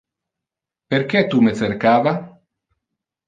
Perque tu me cercava?